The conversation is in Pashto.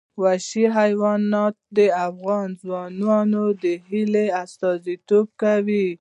وحشي حیوانات د افغان ځوانانو د هیلو استازیتوب کوي.